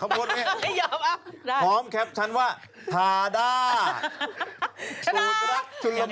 ออกเป็นหนุ่มแล้วจะน้อยใจ